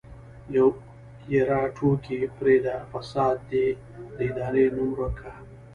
يره ټوکې پرېده فساد دې د ادارې نه ورک که.